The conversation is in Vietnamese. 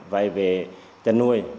vay về chân nuôi